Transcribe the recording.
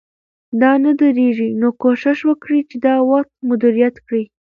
دا نه درېږي، نو کوشش وکړئ چې دا وخت مدیریت کړئ